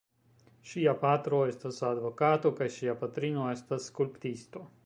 Ŝia patro estas advokato kaj ŝia patrino estas skulptisto.